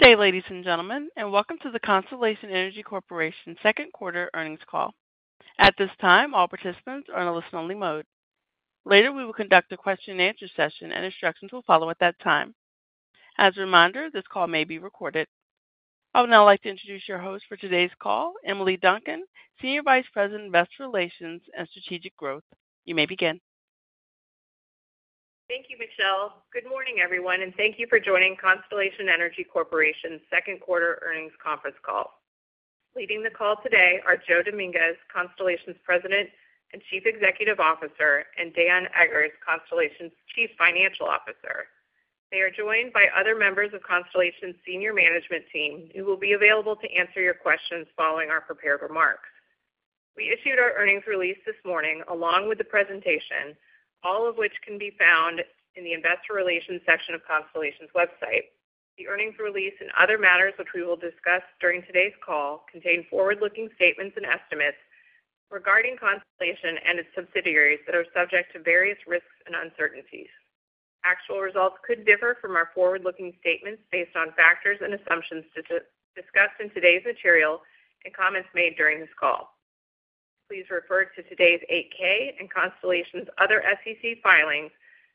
Good day, ladies and gentlemen, and welcome to the Constellation Energy Corporation second quarter earnings call. At this time, all participants are in a listen-only mode. Later, we will conduct a question-and-answer session, and instructions will follow at that time. As a reminder, this call may be recorded. I would now like to introduce your host for today's call, Emily Duncan, Senior Vice President, Investor Relations and Strategic Growth. You may begin. Thank you, Michelle. Good morning, everyone, and thank you for joining Constellation Energy Corporation's second quarter earnings conference call. Leading the call today are Joe Dominguez, Constellation's President and Chief Executive Officer, and Dan Eggers, Constellation's Chief Financial Officer. They are joined by other members of Constellation's senior management team, who will be available to answer your questions following our prepared remarks. We issued our earnings release this morning, along with the presentation, all of which can be found in the Investor Relations section of Constellation's website. The earnings release and other matters, which we will discuss during today's call, contain forward-looking statements and estimates regarding Constellation and its subsidiaries that are subject to various risks and uncertainties. Actual results could differ from our forward-looking statements based on factors and assumptions discussed in today's material and comments made during this call. Please refer to today's 8-K and Constellation's other SEC filings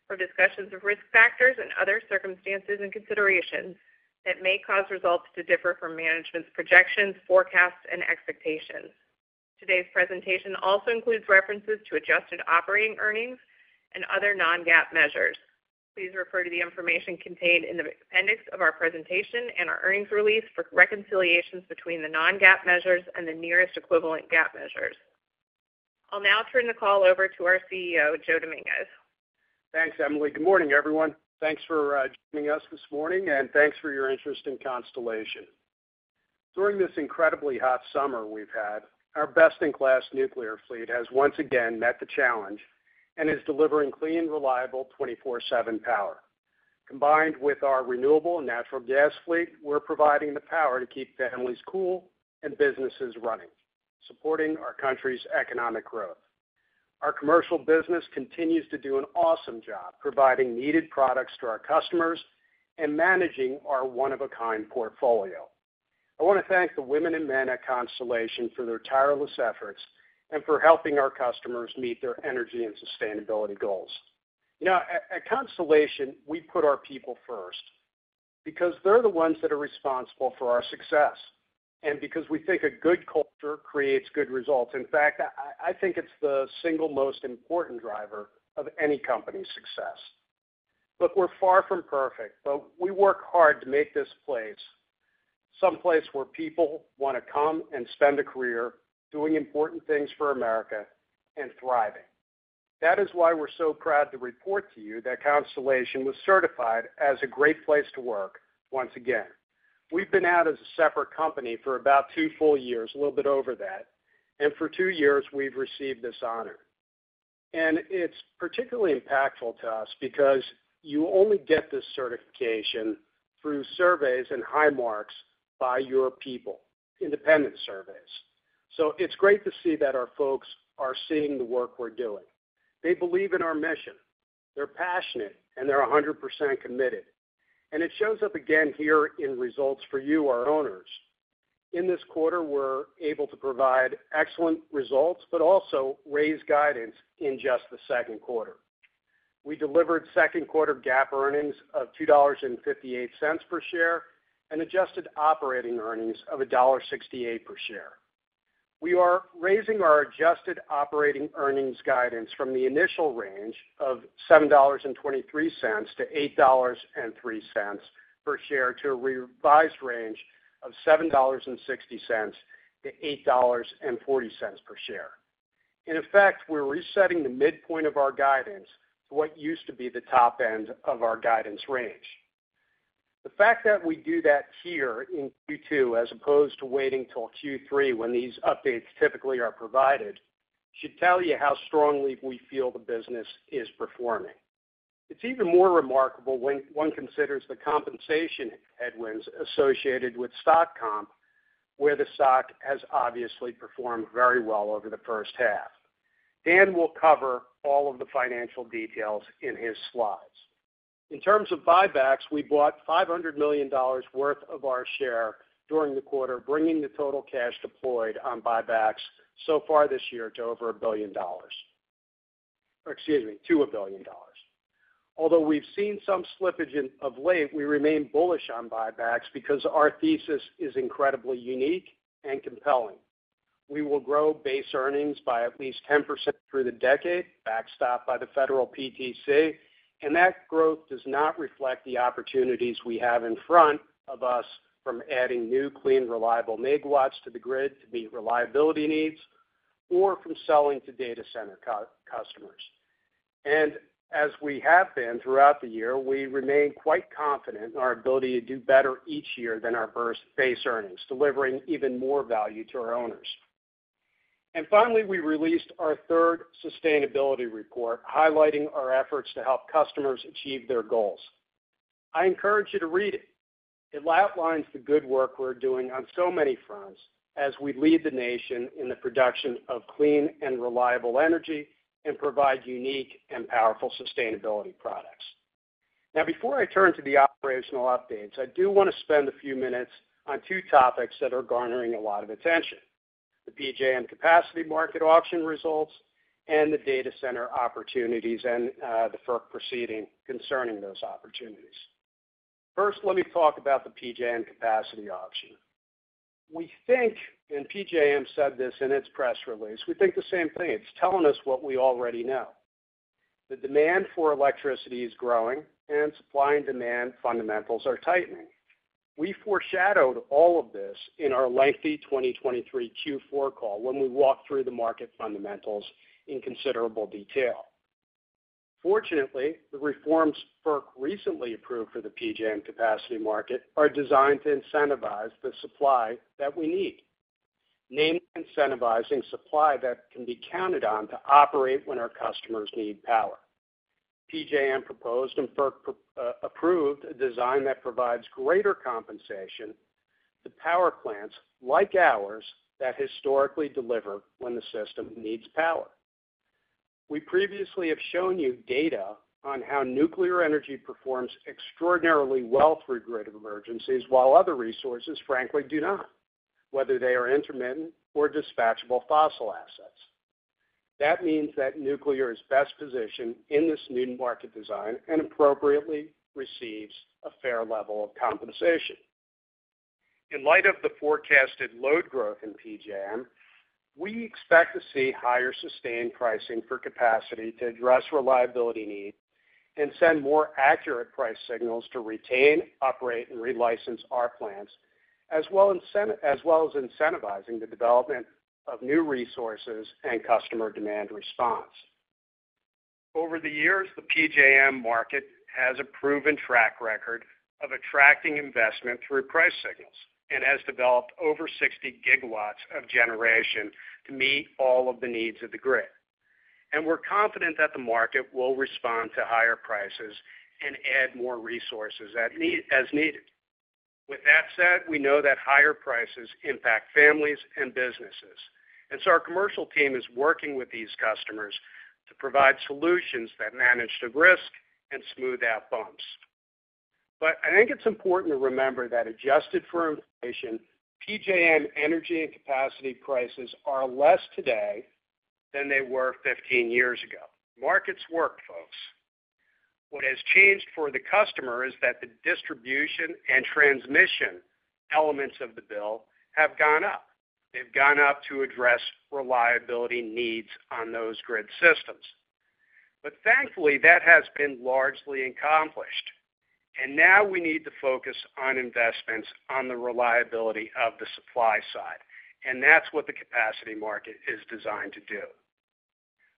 for discussions of risk factors and other circumstances and considerations that may cause results to differ from management's projections, forecasts, and expectations. Today's presentation also includes references to adjusted operating earnings and other non-GAAP measures. Please refer to the information contained in the appendix of our presentation and our earnings release for reconciliations between the non-GAAP measures and the nearest equivalent GAAP measures. I'll now turn the call over to our CEO, Joe Dominguez. Thanks, Emily. Good morning, everyone. Thanks for joining us this morning, and thanks for your interest in Constellation. During this incredibly hot summer we've had, our best-in-class nuclear fleet has once again met the challenge and is delivering clean, reliable 24/7 power. Combined with our renewable natural gas fleet, we're providing the power to keep families cool and businesses running, supporting our country's economic growth. Our commercial business continues to do an awesome job providing needed products to our customers and managing our one-of-a-kind portfolio. I want to thank the women and men at Constellation for their tireless efforts and for helping our customers meet their energy and sustainability goals. You know, at Constellation, we put our people first because they're the ones that are responsible for our success, and because we think a good culture creates good results. In fact, I think it's the single most important driver of any company's success. Look, we're far from perfect, but we work hard to make this place someplace where people wanna come and spend a career doing important things for America and thriving. That is why we're so proud to report to you that Constellation was certified as a Great Place to Work once again. We've been out as a separate company for about two full years, a little bit over that, and for two years we've received this honor. And it's particularly impactful to us because you only get this certification through surveys and high marks by your people, independent surveys. So it's great to see that our folks are seeing the work we're doing. They believe in our mission, they're passionate, and they're 100% committed, and it shows up again here in results for you, our owners. In this quarter, we're able to provide excellent results, but also raise guidance in just the second quarter. We delivered second quarter GAAP earnings of $2.58 per share and adjusted operating earnings of $1.68 per share. We are raising our adjusted operating earnings guidance from the initial range of $7.23-$8.03 per share, to a revised range of $7.60-$8.40 per share. In effect, we're resetting the midpoint of our guidance to what used to be the top end of our guidance range. The fact that we do that here in Q2, as opposed to waiting till Q3 when these updates typically are provided, should tell you how strongly we feel the business is performing. It's even more remarkable when one considers the compensation headwinds associated with stock comp, where the stock has obviously performed very well over the first half. Dan will cover all of the financial details in his slides. In terms of buybacks, we bought $500 million worth of our share during the quarter, bringing the total cash deployed on buybacks so far this year to over $1 billion. Or excuse me, to $1 billion. Although we've seen some slippage in of late, we remain bullish on buybacks because our thesis is incredibly unique and compelling. We will grow base earnings by at least 10% through the decade, backstopped by the federal PTC, and that growth does not reflect the opportunities we have in front of us from adding new, clean, reliable megawatts to the grid to meet reliability needs, or from selling to data center customers. And as we have been throughout the year, we remain quite confident in our ability to do better each year than our first base earnings, delivering even more value to our owners. And finally, we released our third sustainability report, highlighting our efforts to help customers achieve their goals. I encourage you to read it. It outlines the good work we're doing on so many fronts as we lead the nation in the production of clean and reliable energy and provide unique and powerful sustainability products. Now, before I turn to the operational updates, I do want to spend a few minutes on two topics that are garnering a lot of attention: the PJM capacity market auction results and the data center opportunities and the FERC proceeding concerning those opportunities. First, let me talk about the PJM capacity auction. We think, and PJM said this in its press release, we think the same thing. It's telling us what we already know. The demand for electricity is growing, and supply and demand fundamentals are tightening. We foreshadowed all of this in our lengthy 2023 Q4 call when we walked through the market fundamentals in considerable detail. Fortunately, the reforms FERC recently approved for the PJM capacity market are designed to incentivize the supply that we need, namely, incentivizing supply that can be counted on to operate when our customers need power. PJM proposed and FERC approved a design that provides greater compensation to power plants like ours, that historically deliver when the system needs power. We previously have shown you data on how nuclear energy performs extraordinarily well through grid emergencies, while other resources, frankly, do not, whether they are intermittent or dispatchable fossil assets. That means that nuclear is best positioned in this new market design and appropriately receives a fair level of compensation. In light of the forecasted load growth in PJM, we expect to see higher sustained pricing for capacity to address reliability needs and send more accurate price signals to retain, operate, and relicense our plants, as well as incentivizing the development of new resources and customer demand response. Over the years, the PJM market has a proven track record of attracting investment through price signals and has developed over 60 gigawatts of generation to meet all of the needs of the grid. And we're confident that the market will respond to higher prices and add more resources as needed. With that said, we know that higher prices impact families and businesses, and so our commercial team is working with these customers to provide solutions that manage the risk and smooth out bumps. But I think it's important to remember that, adjusted for inflation, PJM energy and capacity prices are less today than they were 15 years ago. Markets work, folks. What has changed for the customer is that the distribution and transmission elements of the bill have gone up. They've gone up to address reliability needs on those grid systems. But thankfully, that has been largely accomplished, and now we need to focus on investments on the reliability of the supply side, and that's what the capacity market is designed to do.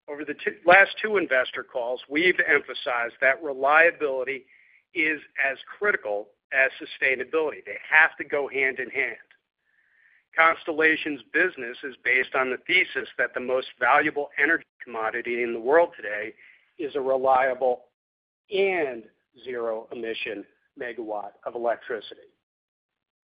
Over the last two investor calls, we've emphasized that reliability is as critical as sustainability. They have to go hand in hand. Constellation's business is based on the thesis that the most valuable energy commodity in the world today is a reliable and zero-emission megawatt of electricity.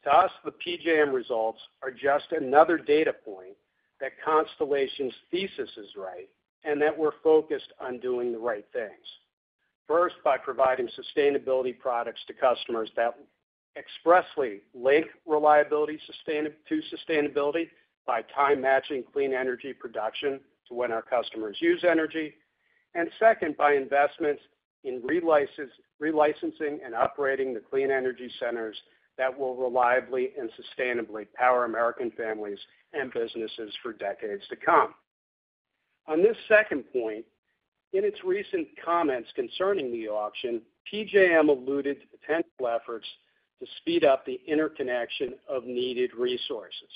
To us, the PJM results are just another data point that Constellation's thesis is right and that we're focused on doing the right things. First, by providing sustainability products to customers that expressly link reliability to sustainability by time-matching clean energy production to when our customers use energy. Second, by investments in relicensing and operating the clean energy centers that will reliably and sustainably power American families and businesses for decades to come. On this second point, in its recent comments concerning the auction, PJM alluded to potential efforts to speed up the interconnection of needed resources.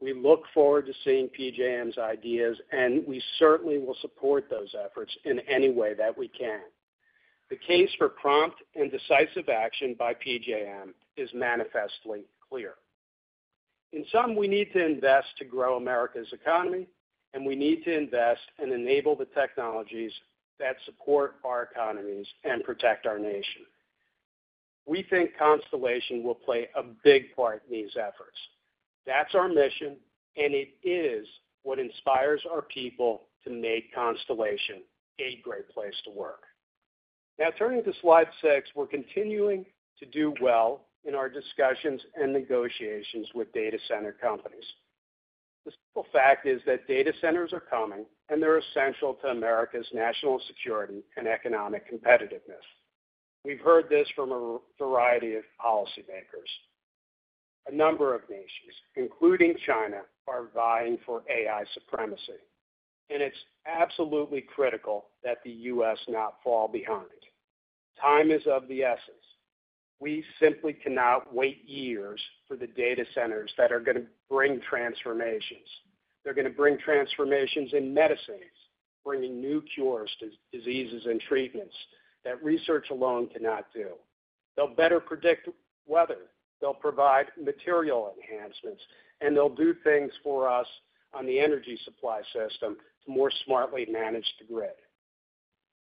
We look forward to seeing PJM's ideas, and we certainly will support those efforts in any way that we can. The case for prompt and decisive action by PJM is manifestly clear. In sum, we need to invest to grow America's economy, and we need to invest and enable the technologies that support our economies and protect our nation. We think Constellation will play a big part in these efforts. That's our mission, and it is what inspires our people to make Constellation a great place to work. Now, turning to slide 6, we're continuing to do well in our discussions and negotiations with data center companies. The simple fact is that data centers are coming, and they're essential to America's national security and economic competitiveness. We've heard this from a variety of policymakers. A number of nations, including China, are vying for AI supremacy, and it's absolutely critical that the U.S. not fall behind. Time is of the essence. We simply cannot wait years for the data centers that are going to bring transformations. They're going to bring transformations in medicines, bringing new cures to diseases and treatments that research alone cannot do. They'll better predict weather, they'll provide material enhancements, and they'll do things for us on the energy supply system to more smartly manage the grid.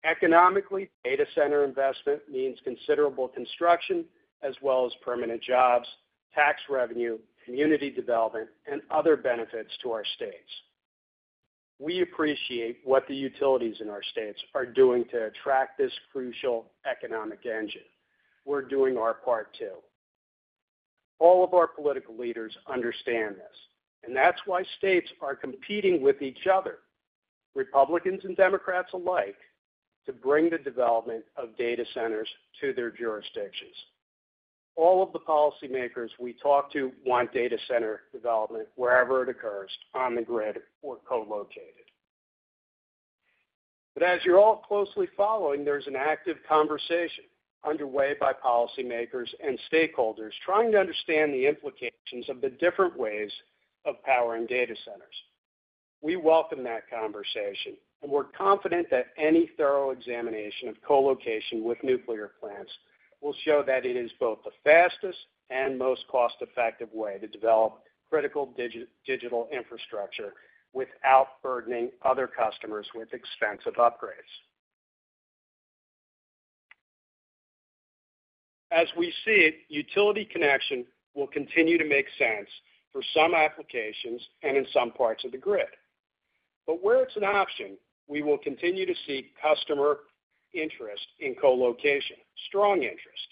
Economically, data center investment means considerable construction as well as permanent jobs, tax revenue, community development, and other benefits to our states.... We appreciate what the utilities in our states are doing to attract this crucial economic engine. We're doing our part, too. All of our political leaders understand this, and that's why states are competing with each other, Republicans and Democrats alike, to bring the development of data centers to their jurisdictions. All of the policymakers we talk to want data center development wherever it occurs, on the grid or co-located. But as you're all closely following, there's an active conversation underway by policymakers and stakeholders trying to understand the implications of the different ways of powering data centers. We welcome that conversation, and we're confident that any thorough examination of co-location with nuclear plants will show that it is both the fastest and most cost-effective way to develop critical digital infrastructure without burdening other customers with expensive upgrades. As we see it, utility connection will continue to make sense for some applications and in some parts of the grid. But where it's an option, we will continue to see customer interest in co-location, strong interest,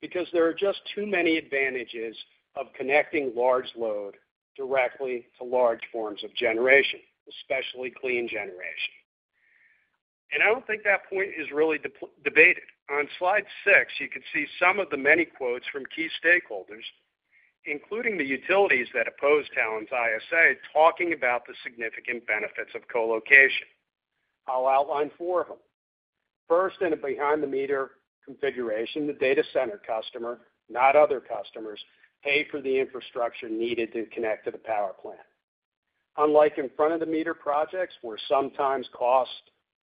because there are just too many advantages of connecting large load directly to large forms of generation, especially clean generation. I don't think that point is really debated. On slide six, you can see some of the many quotes from key stakeholders, including the utilities that oppose Talen's ISA, talking about the significant benefits of co-location. I'll outline four of them. First, in a behind-the-meter configuration, the data center customer, not other customers, pay for the infrastructure needed to connect to the power plant. Unlike in front-of-the-meter projects, where sometimes costs,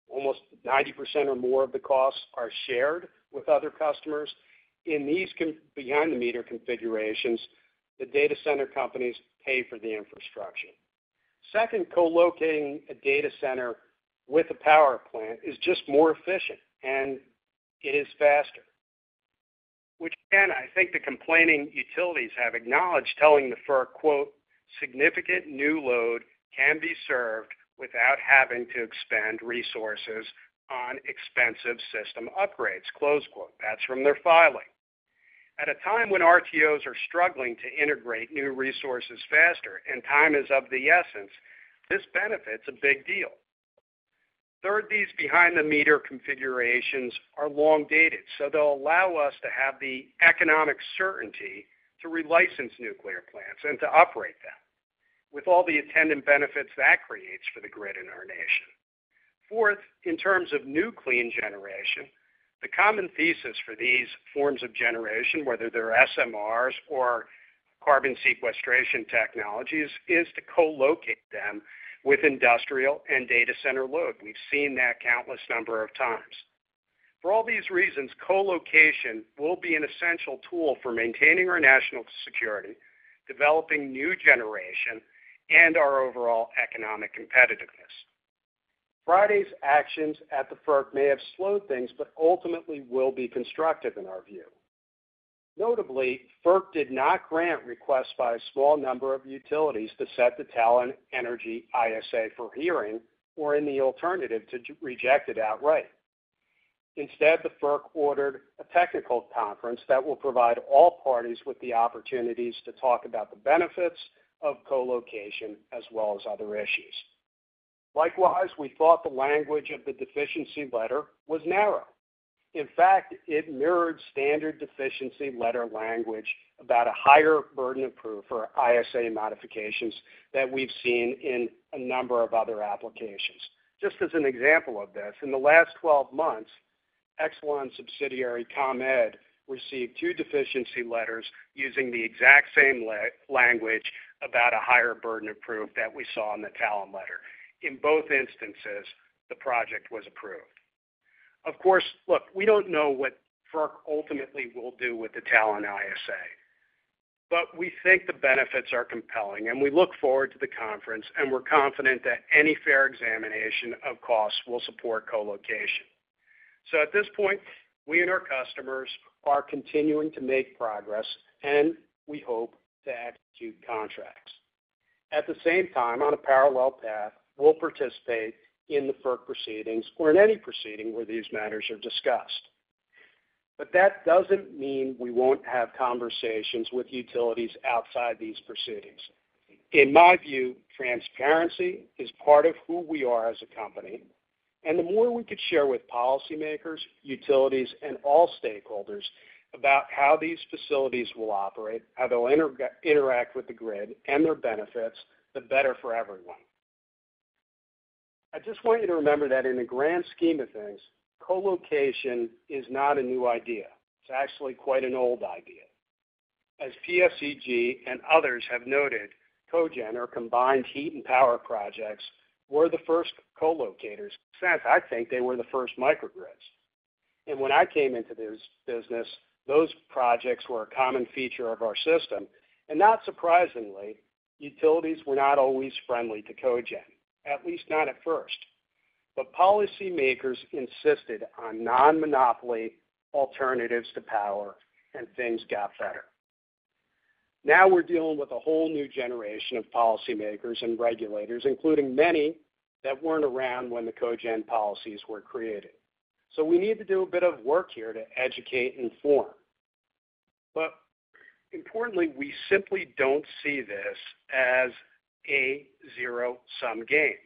almost 90% or more of the costs are shared with other customers, in these behind-the-meter configurations, the data center companies pay for the infrastructure. Second, co-locating a data center with a power plant is just more efficient, and it is faster, which again, I think the complaining utilities have acknowledged, telling the FERC, quote, "Significant new load can be served without having to expend resources on expensive system upgrades," close quote. That's from their filing. At a time when RTOs are struggling to integrate new resources faster and time is of the essence, this benefit's a big deal. Third, these behind-the-meter configurations are long-dated, so they'll allow us to have the economic certainty to relicense nuclear plants and to operate them, with all the attendant benefits that creates for the grid in our nation. Fourth, in terms of new clean generation, the common thesis for these forms of generation, whether they're SMRs or carbon sequestration technologies, is to co-locate them with industrial and data center load. We've seen that countless number of times. For all these reasons, co-location will be an essential tool for maintaining our national security, developing new generation, and our overall economic competitiveness. Friday's actions at the FERC may have slowed things, but ultimately will be constructive in our view. Notably, FERC did not grant requests by a small number of utilities to set the Talen Energy ISA for hearing or, in the alternative, to reject it outright. Instead, the FERC ordered a technical conference that will provide all parties with the opportunities to talk about the benefits of co-location as well as other issues. Likewise, we thought the language of the deficiency letter was narrow. In fact, it mirrored standard deficiency letter language about a higher burden of proof for ISA modifications that we've seen in a number of other applications. Just as an example of this, in the last 12 months, Exelon subsidiary ComEd received two deficiency letters using the exact same language about a higher burden of proof that we saw in the Talen letter. In both instances, the project was approved. Of course, look, we don't know what FERC ultimately will do with the Talen ISA, but we think the benefits are compelling, and we look forward to the conference, and we're confident that any fair examination of costs will support co-location. So at this point, we and our customers are continuing to make progress, and we hope to execute contracts. At the same time, on a parallel path, we'll participate in the FERC proceedings or in any proceeding where these matters are discussed. But that doesn't mean we won't have conversations with utilities outside these proceedings. In my view, transparency is part of who we are as a company, and the more we could share with policymakers, utilities, and all stakeholders about how these facilities will operate, how they'll interact with the grid and their benefits, the better for everyone. I just want you to remember that in the grand scheme of things, co-location is not a new idea. It's actually quite an old idea. As PSEG and others have noted, co-gen, or combined heat and power projects, were the first co-locators. In fact, I think they were the first microgrids. And when I came into this business, those projects were a common feature of our system, and not surprisingly, utilities were not always friendly to co-gen, at least not at first. But policymakers insisted on non-monopoly alternatives to power, and things got better. Now we're dealing with a whole new generation of policymakers and regulators, including many that weren't around when the co-gen policies were created. So we need to do a bit of work here to educate and inform. But importantly, we simply don't see this as a zero-sum game.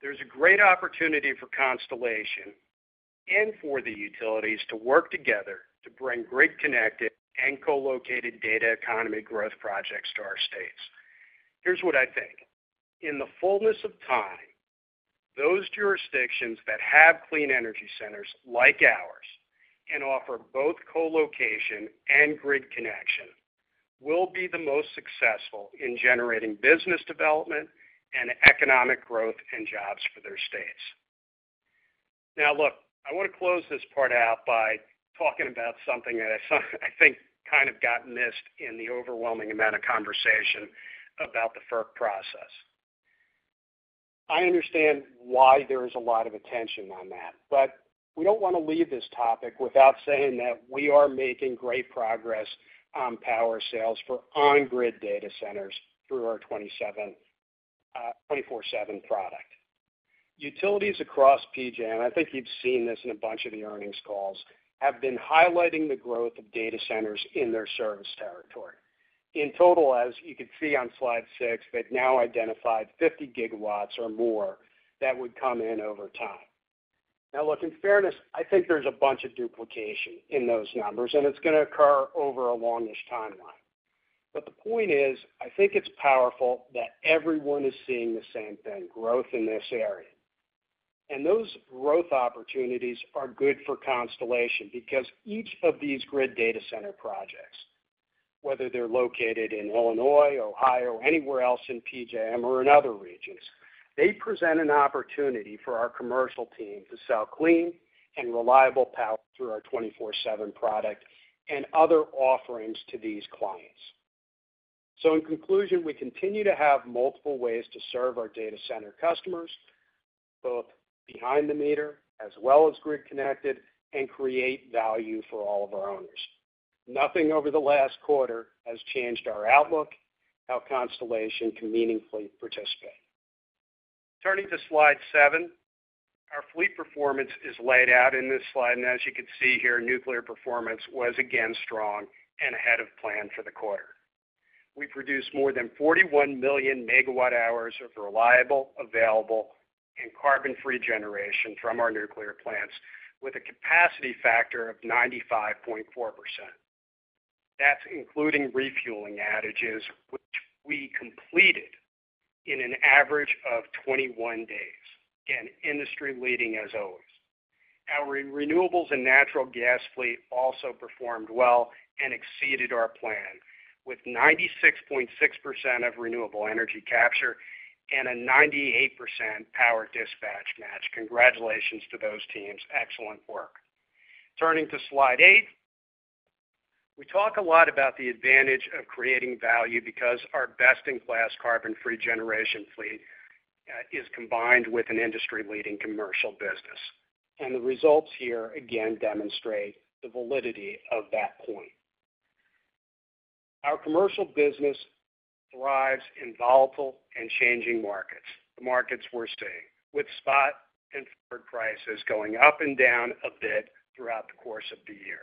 There's a great opportunity for Constellation and for the utilities to work together to bring grid-connected and co-located data economy growth projects to our states. Here's what I think. In the fullness of time, those jurisdictions that have clean energy centers like ours and offer both co-location and grid connection will be the most successful in generating business development and economic growth and jobs for their states. Now, look, I want to close this part out by talking about something that I think kind of got missed in the overwhelming amount of conversation about the FERC process. I understand why there is a lot of attention on that, but we don't want to leave this topic without saying that we are making great progress on power sales for on-grid data centers through our 24/7 product. Utilities across PJM, I think you've seen this in a bunch of the earnings calls, have been highlighting the growth of data centers in their service territory. In total, as you can see on slide 6, they've now identified 50 GW or more that would come in over time. Now, look, in fairness, I think there's a bunch of duplication in those numbers, and it's going to occur over a longish timeline. But the point is, I think it's powerful that everyone is seeing the same thing, growth in this area. And those growth opportunities are good for Constellation because each of these grid data center projects, whether they're located in Illinois, Ohio, or anywhere else in PJM or in other regions, they present an opportunity for our commercial team to sell clean and reliable power through our 24/7 product and other offerings to these clients. So in conclusion, we continue to have multiple ways to serve our data center customers, both behind the meter as well as grid connected, and create value for all of our owners. Nothing over the last quarter has changed our outlook, how Constellation can meaningfully participate. Turning to slide 7. Our fleet performance is laid out in this slide, and as you can see here, nuclear performance was again strong and ahead of plan for the quarter. We produced more than 41 million MWh of reliable, available, and carbon-free generation from our nuclear plants with a capacity factor of 95.4%. That's including refueling outages, which we completed in an average of 21 days. Again, industry-leading, as always. Our renewables and natural gas fleet also performed well and exceeded our plan, with 96.6% of renewable energy capture and a 98% power dispatch match. Congratulations to those teams. Excellent work. Turning to slide 8. We talk a lot about the advantage of creating value because our best-in-class carbon-free generation fleet is combined with an industry-leading commercial business, and the results here again demonstrate the validity of that point. Our commercial business thrives in volatile and changing markets, the markets we're seeing, with spot and forward prices going up and down a bit throughout the course of the year.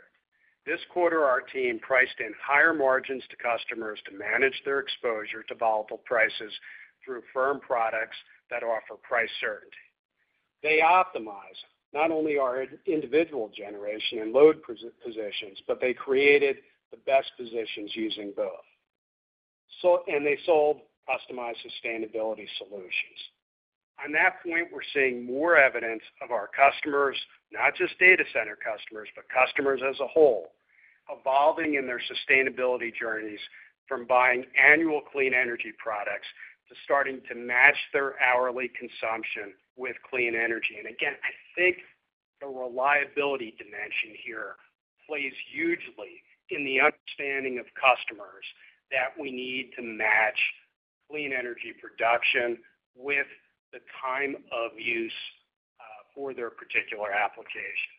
This quarter, our team priced in higher margins to customers to manage their exposure to volatile prices through firm products that offer price certainty. They optimize not only our individual generation and load positions, but they created the best positions using both. And they sold customized sustainability solutions. On that point, we're seeing more evidence of our customers, not just data center customers, but customers as a whole, evolving in their sustainability journeys from buying annual clean energy products to starting to match their hourly consumption with clean energy. Again, I think the reliability dimension here plays hugely in the understanding of customers that we need to match clean energy production with the time of use, for their particular application.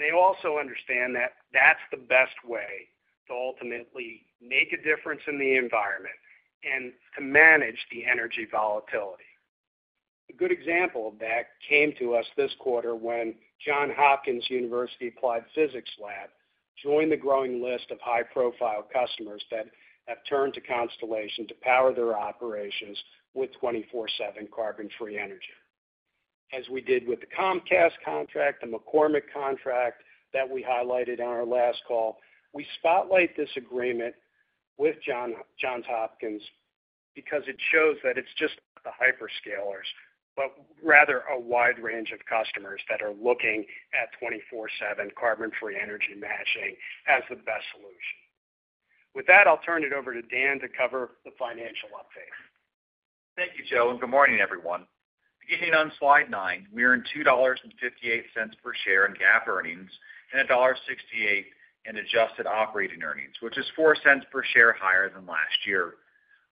They also understand that that's the best way to ultimately make a difference in the environment and to manage the energy volatility. A good example of that came to us this quarter when Johns Hopkins University Applied Physics Lab joined the growing list of high-profile customers that have turned to Constellation to power their operations with 24/7 carbon-free energy. As we did with the Comcast contract, the McCormick contract that we highlighted on our last call, we spotlight this agreement with Johns Hopkins because it shows that it's just the hyperscalers, but rather a wide range of customers that are looking at 24/7 carbon-free energy matching as the best solution. With that, I'll turn it over to Dan to cover the financial update. Thank you, Joe, and good morning, everyone. Beginning on slide 9, we earned $2.58 per share in GAAP earnings and $1.68 in adjusted operating earnings, which is $0.04 per share higher than last year.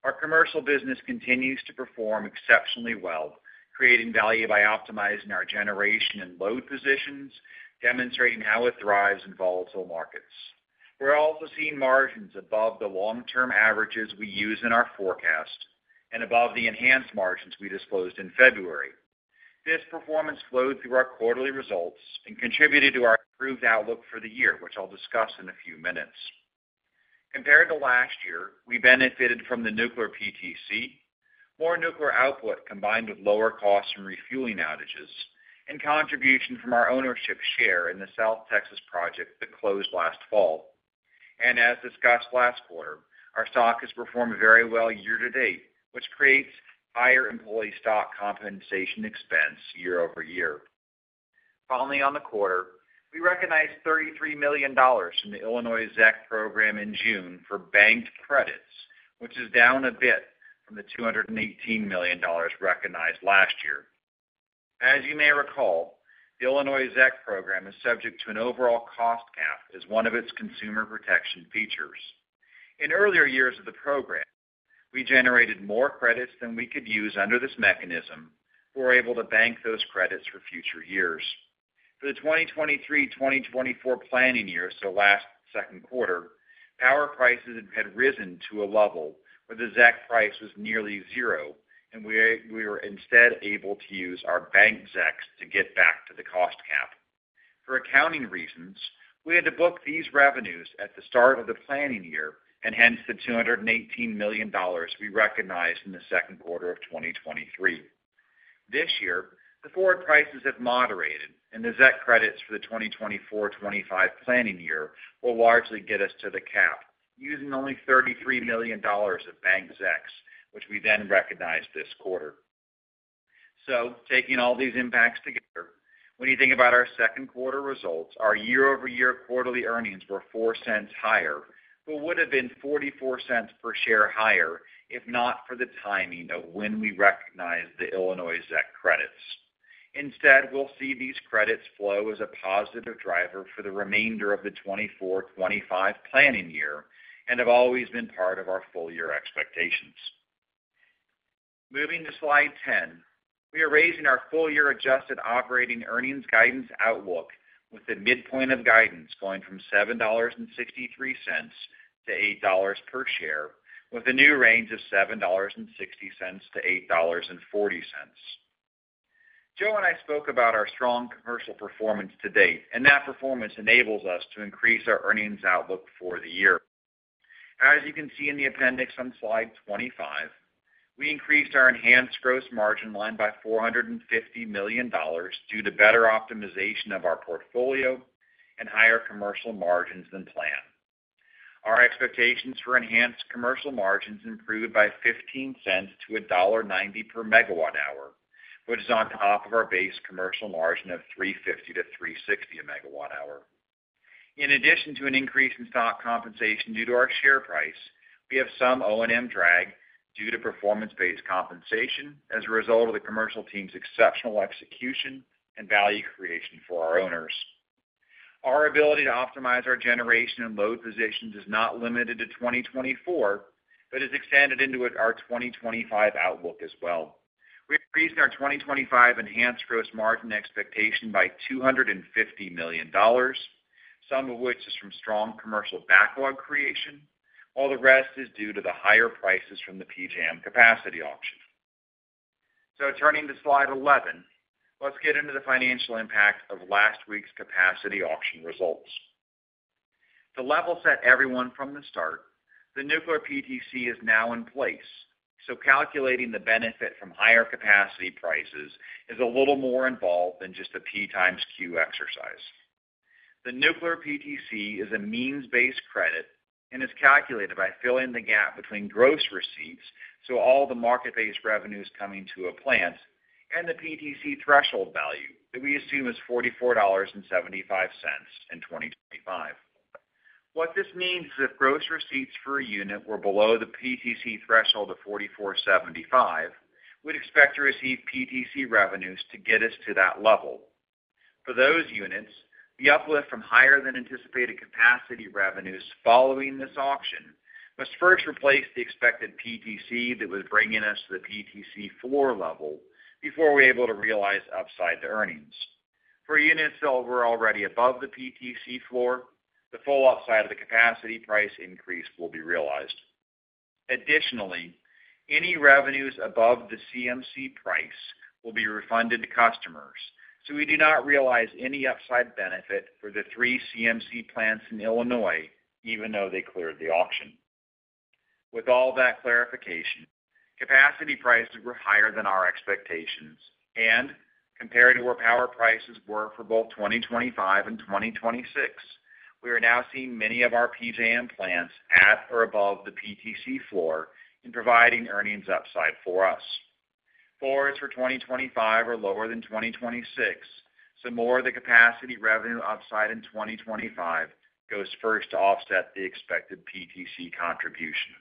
Our commercial business continues to perform exceptionally well, creating value by optimizing our generation and load positions, demonstrating how it thrives in volatile markets. We're also seeing margins above the long-term averages we use in our forecast and above the enhanced margins we disclosed in February. This performance flowed through our quarterly results and contributed to our improved outlook for the year, which I'll discuss in a few minutes. Compared to last year, we benefited from the nuclear PTC, more nuclear output, combined with lower costs and refueling outages, and contribution from our ownership share in the South Texas Project that closed last fall. As discussed last quarter, our stock has performed very well year-to-date, which creates higher employee stock compensation expense year-over-year. Finally, on the quarter, we recognized $33 million from the Illinois ZEC program in June for banked credits, which is down a bit from the $218 million recognized last year. As you may recall, the Illinois ZEC program is subject to an overall cost cap as one of its consumer protection features. In earlier years of the program, we generated more credits than we could use under this mechanism, we're able to bank those credits for future years. For the 2023/2024 planning year, so last second quarter, power prices had risen to a level where the ZEC price was nearly zero, and we were instead able to use our banked ZECs to get back to the cost cap. For accounting reasons, we had to book these revenues at the start of the planning year, and hence the $218 million we recognized in the second quarter of 2023. This year, the forward prices have moderated, and the ZEC credits for the 2024/2025 planning year will largely get us to the cap, using only $33 million of banked ZECs, which we then recognized this quarter. So taking all these impacts together, when you think about our second quarter results, our year-over-year quarterly earnings were $0.04 higher, but would have been $0.44 per share higher, if not for the timing of when we recognized the Illinois ZEC credits. Instead, we'll see these credits flow as a positive driver for the remainder of the 2024/2025 planning year and have always been part of our full year expectations. Moving to slide 10. We are raising our full-year adjusted operating earnings guidance outlook, with the midpoint of guidance going from $7.63 to $8.00 per share, with a new range of $7.60-$8.40. Joe and I spoke about our strong commercial performance to date, and that performance enables us to increase our earnings outlook for the year. As you can see in the appendix on slide 25, we increased our enhanced gross margin line by $450 million due to better optimization of our portfolio and higher commercial margins than planned. Our expectations for enhanced commercial margins improved by 15 cents to $1.90 per MWh, which is on top of our base commercial margin of $3.50-$3.60 a MWh. In addition to an increase in stock compensation due to our share price, we have some O&M drag due to performance-based compensation as a result of the commercial team's exceptional execution and value creation for our owners. Our ability to optimize our generation and load positions is not limited to 2024, but has extended into our 2025 outlook as well. We have increased our 2025 enhanced gross margin expectation by $250 million, some of which is from strong commercial backlog creation, while the rest is due to the higher prices from the PJM capacity auction. So turning to slide 11, let's get into the financial impact of last week's capacity auction results. To level set everyone from the start, the nuclear PTC is now in place, so calculating the benefit from higher capacity prices is a little more involved than just a P times Q exercise. The nuclear PTC is a means-based credit and is calculated by filling the gap between gross receipts, so all the market-based revenues coming to a plant, and the PTC threshold value, that we assume is $44.75 in 2025. What this means is if gross receipts for a unit were below the PTC threshold of $44.75, we'd expect to receive PTC revenues to get us to that level. For those units, the uplift from higher than anticipated capacity revenues following this auction must first replace the expected PTC that was bringing us to the PTC floor level before we're able to realize upside the earnings. For units that were already above the PTC floor, the full upside of the capacity price increase will be realized. Additionally, any revenues above the CMC price will be refunded to customers, so we do not realize any upside benefit for the 3 CMC plants in Illinois, even though they cleared the auction. With all that clarification, capacity prices were higher than our expectations, and compared to where power prices were for both 2025 and 2026, we are now seeing many of our PJM plants at or above the PTC floor in providing earnings upside for us. Forwards for 2025 are lower than 2026, so more of the capacity revenue upside in 2025 goes first to offset the expected PTC contribution.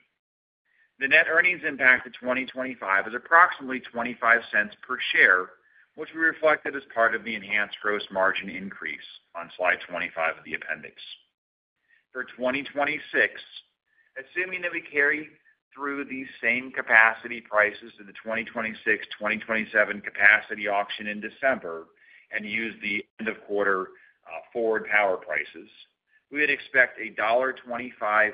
The net earnings impact of 2025 is approximately $0.25 per share, which we reflected as part of the enhanced gross margin increase on slide 25 of the appendix. For 2026, assuming that we carry through these same capacity prices in the 2026, 2027 capacity auction in December and use the end of quarter, forward power prices, we would expect a $1.25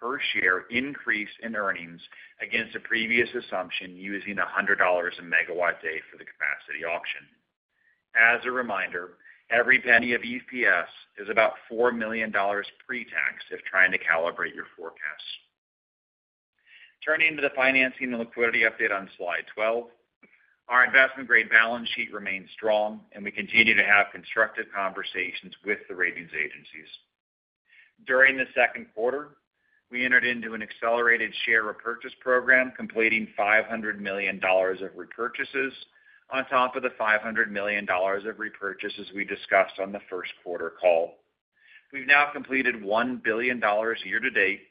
per share increase in earnings against a previous assumption using $100 a MW-day for the capacity auction. As a reminder, every penny of EPS is about $4 million pre-tax if trying to calibrate your forecast. Turning to the financing and liquidity update on slide 12. Our investment-grade balance sheet remains strong, and we continue to have constructive conversations with the ratings agencies. During the second quarter, we entered into an accelerated share repurchase program, completing $500 million of repurchases on top of the $500 million of repurchases we discussed on the first quarter call. We've now completed $1 billion year to date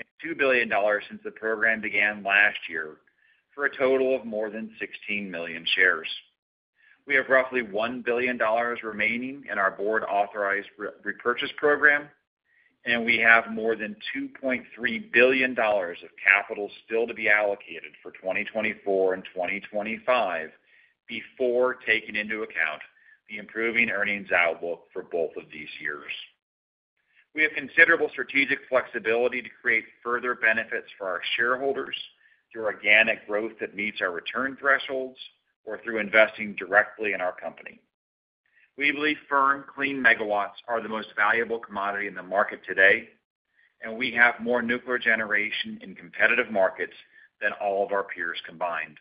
and $2 billion since the program began last year, for a total of more than 16 million shares. We have roughly $1 billion remaining in our board-authorized repurchase program, and we have more than $2.3 billion of capital still to be allocated for 2024 and 2025, before taking into account the improving earnings outlook for both of these years. We have considerable strategic flexibility to create further benefits for our shareholders through organic growth that meets our return thresholds or through investing directly in our company. We believe firm, clean megawatts are the most valuable commodity in the market today, and we have more nuclear generation in competitive markets than all of our peers combined.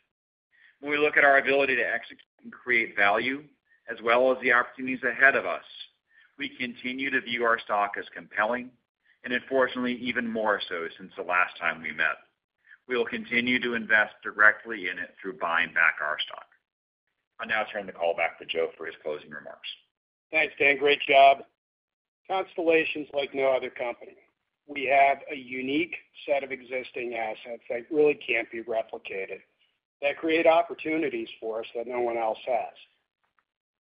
When we look at our ability to execute and create value, as well as the opportunities ahead of us, we continue to view our stock as compelling and unfortunately, even more so since the last time we met. We will continue to invest directly in it through buying back our stock. I'll now turn the call back to Joe for his closing remarks. Thanks, Dan. Great job. Constellation's like no other company. We have a unique set of existing assets that really can't be replicated, that create opportunities for us that no one else has.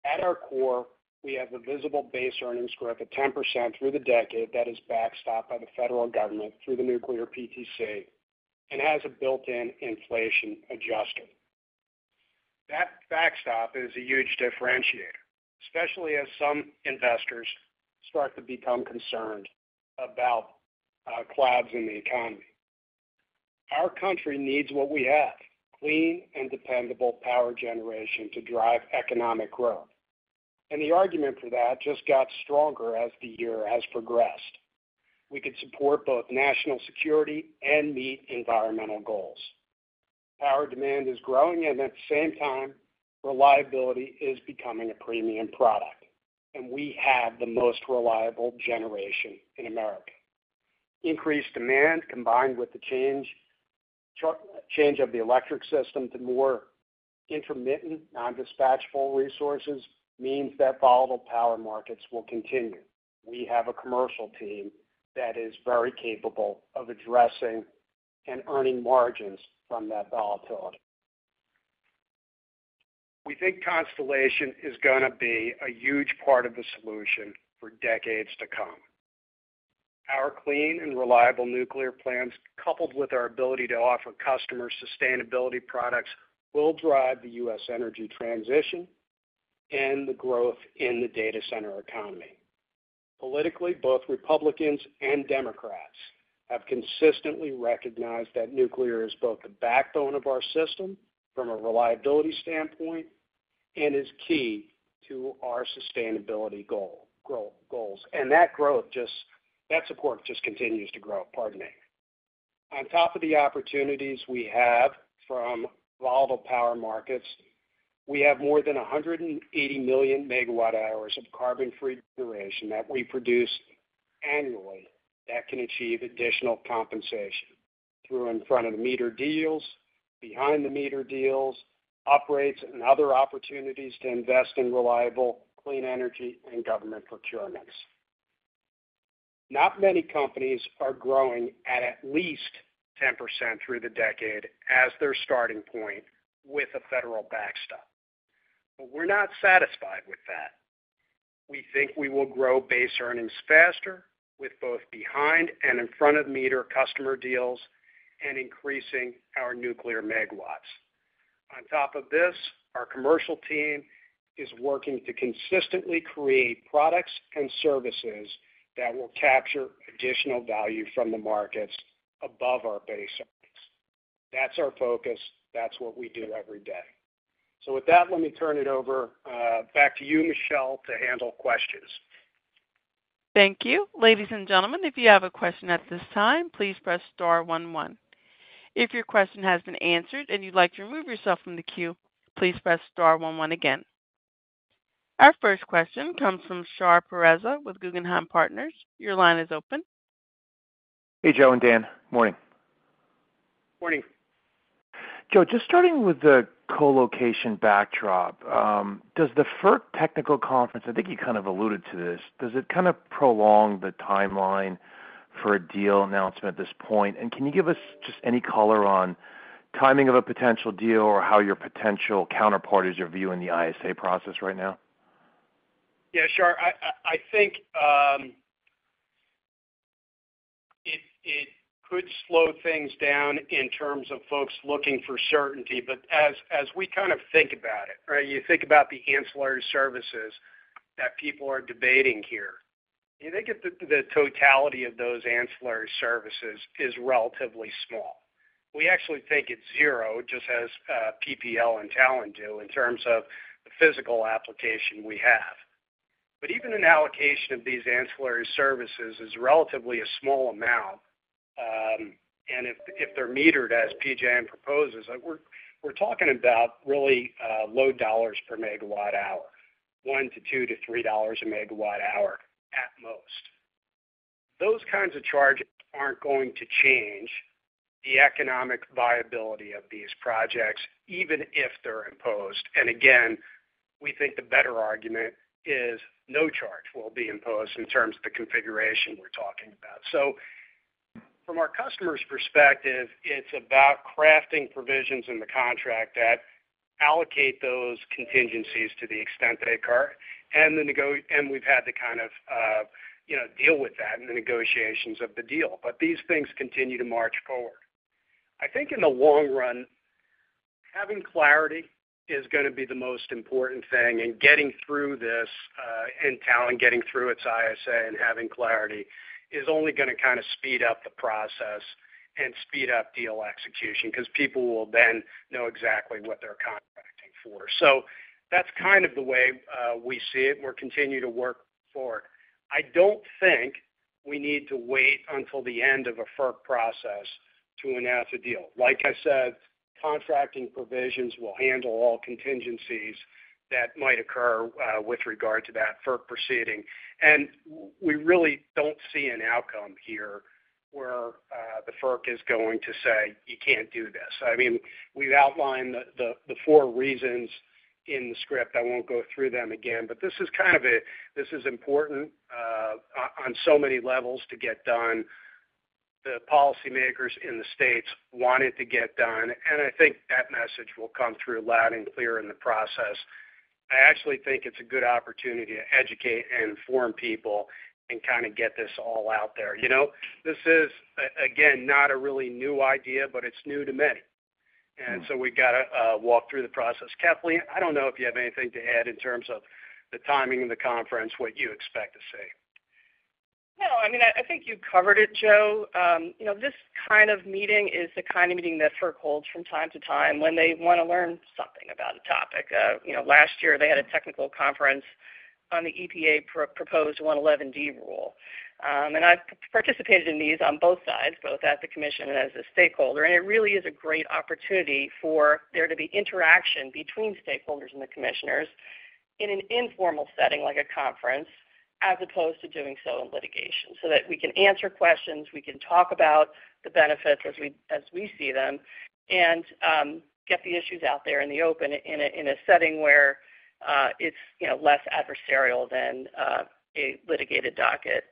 At our core, we have a visible base earnings growth of 10% through the decade that is backstopped by the federal government through the nuclear PTC and has a built-in inflation adjuster. That backstop is a huge differentiator, especially as some investors start to become concerned about, clouds in the economy. Our country needs what we have, clean and dependable power generation to drive economic growth, and the argument for that just got stronger as the year has progressed. We could support both national security and meet environmental goals. Power demand is growing, and at the same time, reliability is becoming a premium product, and we have the most reliable generation in America. Increased demand, combined with the change of the electric system to more intermittent, non-dispatchable resources, means that volatile power markets will continue. We have a commercial team that is very capable of addressing and earning margins from that volatility. We think Constellation is going to be a huge part of the solution for decades to come. Our clean and reliable nuclear plants, coupled with our ability to offer customers sustainability products, will drive the U.S. energy transition and the growth in the data center economy. Politically, both Republicans and Democrats have consistently recognized that nuclear is both the backbone of our system from a reliability standpoint and is key to our sustainability goals, and that support just continues to grow. Pardon me. On top of the opportunities we have from volatile power markets, we have more than 180 million MWh of carbon-free generation that we produce annually that can achieve additional compensation through in front of the meter deals, behind the meter deals, operates, and other opportunities to invest in reliable, clean energy and government procurements. Not many companies are growing at least 10% through the decade as their starting point with a federal backstop. But we're not satisfied with that. We think we will grow base earnings faster with both behind and in front of meter customer deals and increasing our nuclear megawatts. On top of this, our commercial team is working to consistently create products and services that will capture additional value from the markets above our base earnings. That's our focus. That's what we do every day. So with that, let me turn it over back to you, Michelle, to handle questions. Thank you. Ladies and gentlemen, if you have a question at this time, please press star one one. If your question has been answered and you'd like to remove yourself from the queue, please press star one one again. Our first question comes from Shahriar Pourreza with Guggenheim Partners. Your line is open. Hey, Joe and Dan. Morning. Morning. Joe, just starting with the co-location backdrop, does the FERC technical conference, I think you kind of alluded to this, does it kind of prolong the timeline for a deal announceme nt at this point? And can you give us just any color on timing of a potential deal or how your potential counterparties are viewing the ISA process right now? Yeah, sure. I think it could slow things down in terms of folks looking for certainty. But as we kind of think about it, right, you think about the ancillary services that people are debating here, you think of the totality of those ancillary services is relatively small. We actually think it's zero, just as PPL and Talen do, in terms of the physical application we have. But even an allocation of these ancillary services is relatively a small amount. And if they're metered, as PJM proposes, we're talking about really low dollars per megawatt-hour, $1 to $2 to $3 per megawatt-hour at most. Those kinds of charges aren't going to change the economic viability of these projects, even if they're imposed. And again, we think the better argument is no charge will be imposed in terms of the configuration we're talking about. So from our customer's perspective, it's about crafting provisions in the contract that allocate those contingencies to the extent that they occur, and we've had to kind of, you know, deal with that in the negotiations of the deal. But these things continue to march forward. I think in the long run, having clarity is going to be the most important thing, and getting through this, and Talen getting through its ISA and having clarity, is only going to kind of speed up the process and speed up deal execution, 'cause people will then know exactly what they're contracting for. So that's kind of the way we see it, and we're continue to work forward. I don't think we need to wait until the end of a FERC process to announce a deal. Like I said, contracting provisions will handle all contingencies that might occur with regard to that FERC proceeding. We really don't see an outcome here where the FERC is going to say, "You can't do this." I mean, we've outlined the four reasons in the script. I won't go through them again. But this is important on so many levels to get done. The policymakers in the states want it to get done, and I think that message will come through loud and clear in the process. I actually think it's a good opportunity to educate and inform people and kind of get this all out there. You know, this is, again, not a really new idea, but it's new to many. And so we've got to walk through the process. Kathleen, I don't know if you have anything to add in terms of the timing of the conference, what you expect to see. No, I mean, I think you covered it, Joe. You know, this kind of meeting is the kind of meeting that FERC holds from time to time when they want to learn something about a topic. You know, last year they had a technical conference on the EPA proposed 111(d) rule. And I've participated in these on both sides, both at the commission and as a stakeholder, and it really is a great opportunity for there to be interaction between stakeholders and the commissioners in an informal setting, like a conference, as opposed to doing so in litigation. So that we can answer questions, we can talk about the benefits as we, as we see them, and get the issues out there in the open in a setting where it's, you know, less adversarial than a litigated docket.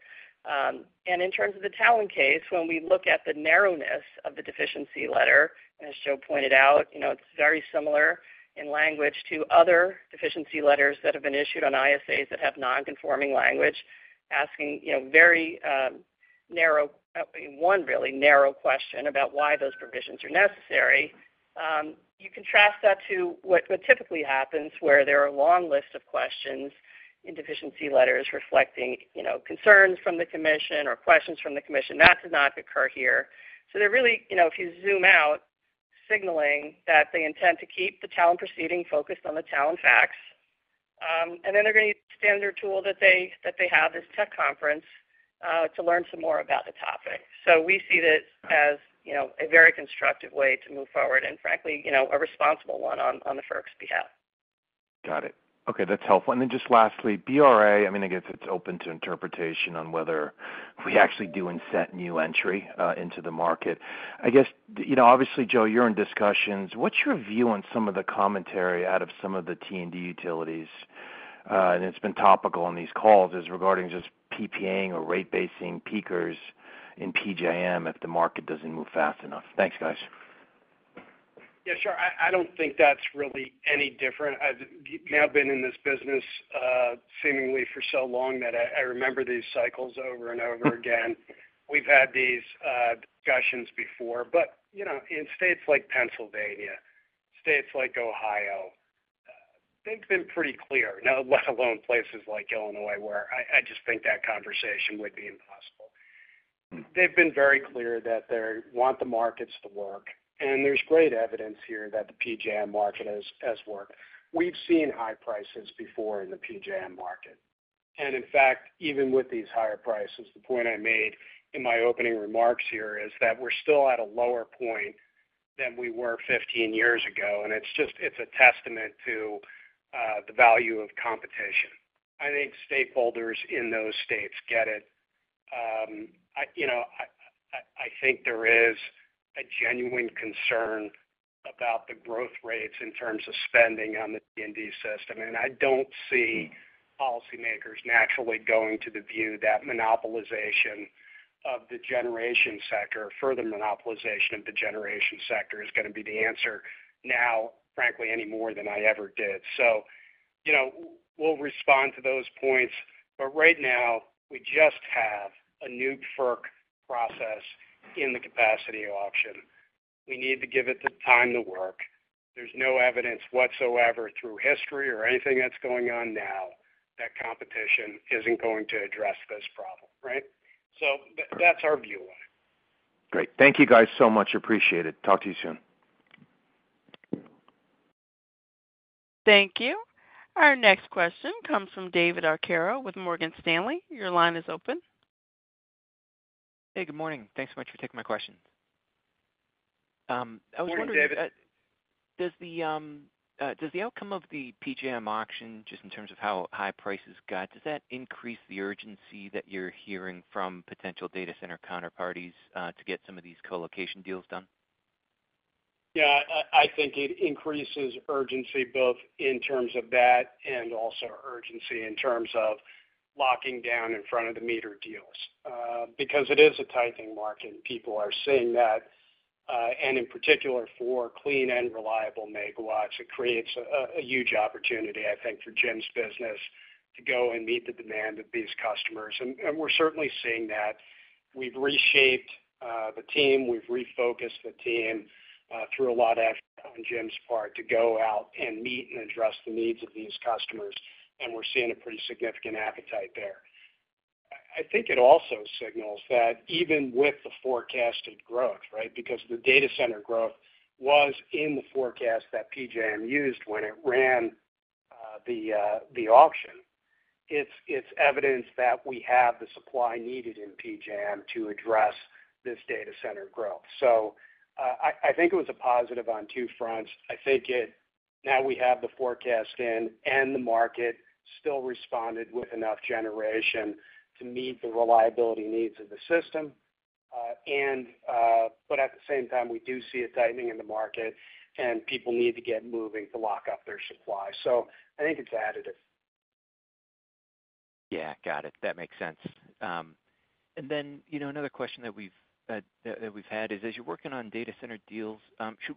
And in terms of the Talen case, when we look at the narrowness of the deficiency letter, as Joe pointed out, you know, it's very similar in language to other deficiency letters that have been issued on ISAs that have non-conforming language, asking, you know, very narrow, one really narrow question about why those provisions are necessary. You contrast that to what, what typically happens, where there are a long list of questions in deficiency letters reflecting, you know, concerns from the commission or questions from the commission. That did not occur here. So they're really, you know, if you zoom out, signaling that they intend to keep the Talen proceeding focused on the Talen facts. And then they're going to use the standard tool that they have, this technical conference, to learn some more about the topic. So we see this as, you know, a very constructive way to move forward and frankly, you know, a responsible one on the FERC's behalf. Got it. Okay, that's helpful. And then just lastly, BRA, I mean, I guess it's open to interpretation on whether we actually do incent new entry into the market. I guess, you know, obviously, Joe, you're in discussions. What's your view on some of the commentary out of some of the T&D utilities? And it's been topical on these calls, as regarding just PPAing or rate-basing peakers in PJM if the market doesn't move fast enough. Thanks, guys. Yeah, sure. I don't think that's really any different. I've been in this business seemingly for so long that I remember these cycles over and over again. We've had these discussions before, but you know, in states like Pennsylvania, states like Ohio, they've been pretty clear. Now, let alone places like Illinois, where I just think that conversation would be impossible. They've been very clear that they want the markets to work, and there's great evidence here that the PJM market has worked. We've seen high prices before in the PJM market, and in fact, even with these higher prices, the point I made in my opening remarks here is that we're still at a lower point than we were 15 years ago, and it's just, it's a testament to the value of competition. I think stakeholders in those states get it. I think there is a genuine concern about the growth rates in terms of spending on the PJM system, and I don't see policymakers naturally going to the view that monopolization of the generation sector, further monopolization of the generation sector, is going to be the answer now, frankly, any more than I ever did. So, you know, we'll respond to those points, but right now, we just have a new FERC process in the capacity auction. We need to give it the time to work. There's no evidence whatsoever through history or anything that's going on now, that competition isn't going to address this problem, right? So that's our view on it. Great. Thank you guys so much. Appreciate it. Talk to you soon. Thank you. Our next question comes from David Arcaro with Morgan Stanley. Your line is open. Hey, good morning. Thanks so much for taking my question. I was wondering- Morning, David. Does the outcome of the PJM auction, just in terms of how high prices got, does that increase the urgency that you're hearing from potential data center counterparties, to get some of these colocation deals done? Yeah, I think it increases urgency, both in terms of that and also urgency in terms of locking down in front of the meter deals. Because it is a tightening market, and people are seeing that, and in particular, for clean and reliable megawatts, it creates a huge opportunity, I think, for Jim's business to go and meet the demand of these customers. And we're certainly seeing that. We've reshaped the team. We've refocused the team through a lot of effort on Jim's part to go out and meet and address the needs of these customers, and we're seeing a pretty significant appetite there. I think it also signals that even with the forecasted growth, right? Because the data center growth was in the forecast that PJM used when it ran the auction, it's evidence that we have the supply needed in PJM to address this data center growth. So, I think it was a positive on two fronts. I think it now we have the forecast in, and the market still responded with enough generation to meet the reliability needs of the system, and but at the same time, we do see a tightening in the market, and people need to get moving to lock up their supply. So I think it's additive. Yeah, got it. That makes sense. And then, you know, another question that we've had is, as you're working on data center deals, should